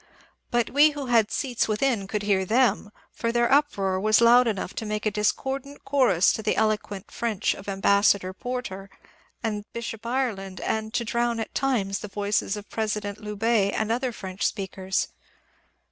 But we who had seats within could hear them, for their up roar was loud enough to make a discordant chorus to the elo quent French of Ambassador Porter and Archbishop Ireland, and to drown at times the voices of President Loubet and other French speakers.